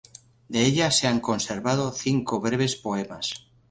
De ella se han conservado cinco breves poemas.